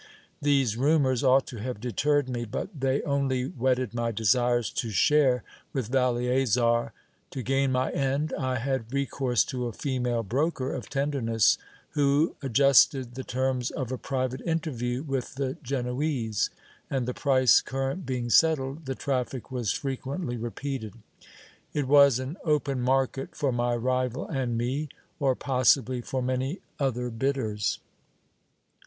These rumours ought to have deterred me ; but they only whetted my desires to share with Valeasar. To gain my end, I had recourse to a female broker of tenderness, who adjusted the terms of a private interview with the Genoese ; and the price current being settled, the traffic was frequently repeated ; it was an open market for my rival and me, or possibly for many other bidders.